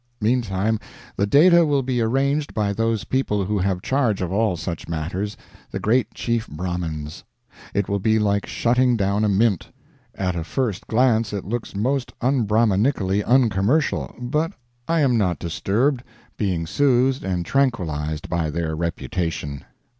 Meantime, the data will be arranged by those people who have charge of all such matters, the great chief Brahmins. It will be like shutting down a mint. At a first glance it looks most unbrahminically uncommercial, but I am not disturbed, being soothed and tranquilized by their reputation.